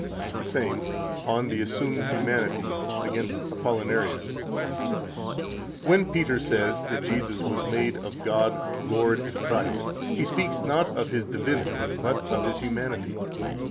44 The same, On the Assumed Humanity, against Apollinarius (pp. 603 and 611, ed. Colon., 1686): "When Peter says that Jesus was made of God Lord and Christ, He speaks not of His divinity, but of His humanity.